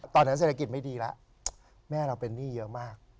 ตอนนั้นเศรษฐกิจไม่ดีแล้วแม่เราเป็นหนี้เยอะมาก